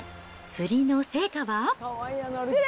釣りの成果は？